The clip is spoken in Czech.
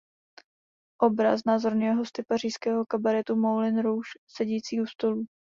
Obraz znázorňuje hosty pařížského kabaretu Moulin Rouge sedící u stolů.